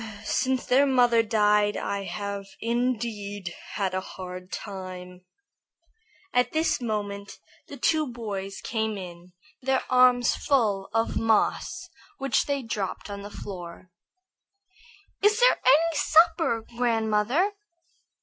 Since their mother died I have indeed had a hard time." At this moment the two boys came in, their arms full of moss which they dropped on the floor. "Is there any supper, grandmother?"